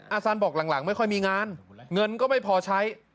อาจารย์บอกหลังไม่ค่อยมีงานเงินก็ไม่พอใช้